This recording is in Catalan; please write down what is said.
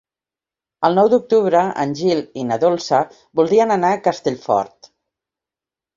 El nou d'octubre en Gil i na Dolça voldrien anar a Castellfort.